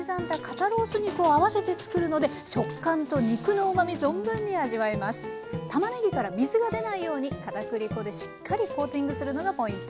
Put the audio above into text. たまねぎから水が出ないように片栗粉でしっかりコーティングするのがポイント。